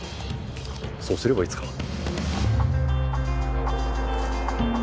そうすればいつかは。